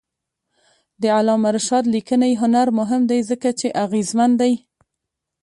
د علامه رشاد لیکنی هنر مهم دی ځکه چې اغېزمن دی.